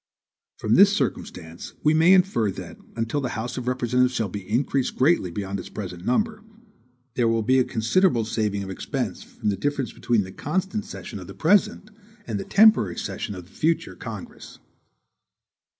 From this circumstance we may infer that, until the House of Representatives shall be increased greatly beyond its present number, there will be a considerable saving of expense from the difference between the constant session of the present and the temporary session of the future Congress.